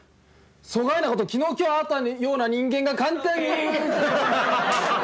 「そがいなこと昨日今日会ったような人間が簡単に」ＯＫ。